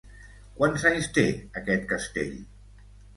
Quants anys té aquest castell?